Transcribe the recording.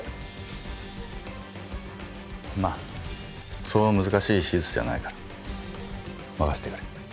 まあそう難しい手術じゃないから任せてくれ。